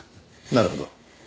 なるほど。